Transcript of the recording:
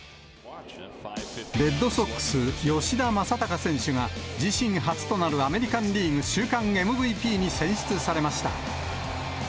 レッドソックス、吉田正尚選手が、自身初となるアメリカンリーグ週間ＭＶＰに選出されました。